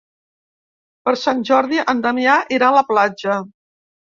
Per Sant Jordi en Damià irà a la platja.